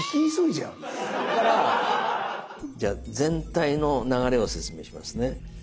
じゃあ全体の流れを説明しますね。